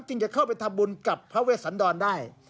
จะเข้าไปทำบุญกับพระเวสันดรได้